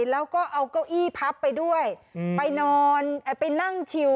แล้วก็เอาเก้าอี้พับไปด้วยไปนอนไปนั่งชิว